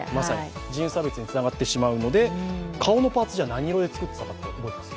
人種差別につながってしまうので、では顔のパーツ何で作ったか覚えています？